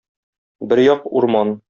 Бер як - урман.